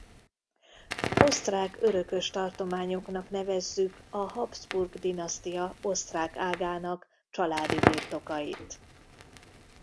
Osztrák örökös tartományoknak nevezzük a Habsburg-dinasztia osztrák ágának családi birtokait.